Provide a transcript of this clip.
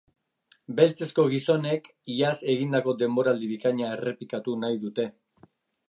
Beltzezko gizonek iaz egindako denboraldi bikaina errepikatu nahi dute.